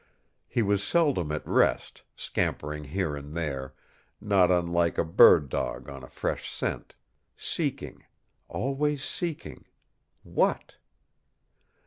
He was seldom at rest, scampering here and there, not unlike a bird dog on a fresh scent. Seeking always seeking what?